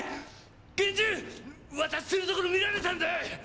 拳銃渡してるところを見られたんだ！